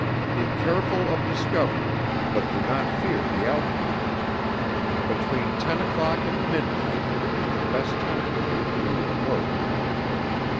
Be careful of discovery, but do not fear the outcome. Between ten o'clock and midnight will be the best time for you to do your work.